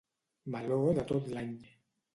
Meló de tot l'any.